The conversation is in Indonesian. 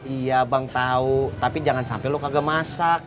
iya bang tau tapi jangan sampai lo kagak masak